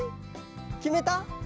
きめた？